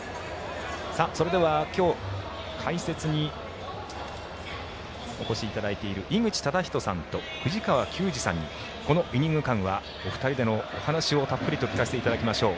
それでは今日解説にお越しいただいている井口資仁さんと藤川球児さんにこのイニング間はお二人でのお話をたっぷりとお話いただきましょう。